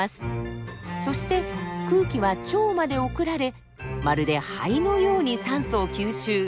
そして空気は腸まで送られまるで肺のように酸素を吸収。